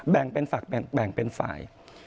แบ่งเป็นฝักแบ่งเป็นฝ่าย